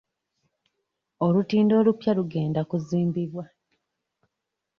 Olutindo olupya lugenda kuzimbibwa.